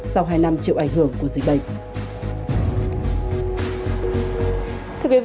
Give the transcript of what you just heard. sau hai năm chịu ảnh hưởng của dịch bệnh